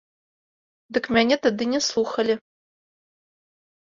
Дык мяне тады не слухалі!